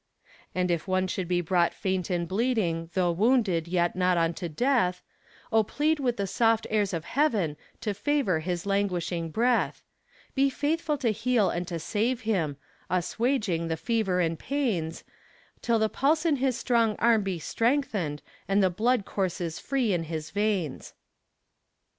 And if one should be brought faint and bleeding, though wounded, yet not unto death, Oh plead with the soft airs of heaven to favor his languishing breath; Be faithful to heal and to save him, assuaging the fever and pains, Till the pulse in his strong arm be strengthened and the blood courses free in his veins.